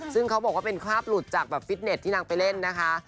ซึ่งเขาบอกว่าเป็นคราบหลุดจากแบบฟิตเน็ตที่นางไปเล่นนะคะ